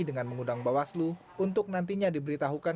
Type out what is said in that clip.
dengan mengundang bawaslu untuk nantinya diberitahukan